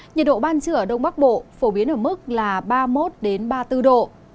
nhiệt độ ban trưa ở đông bắc bộ phổ biến ở mức là ba mươi một ba mươi bốn độ